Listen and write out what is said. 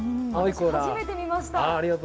初めて見ました。